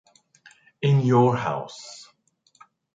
In your house.